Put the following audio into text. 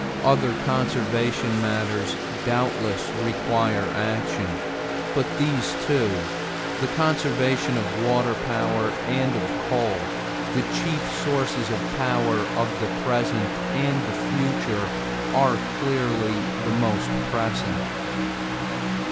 Other conservation matters doubtless require action, but these two, the conservation of water power and of coal, the chief sources of power of the present and the future, are clearly the most pressing.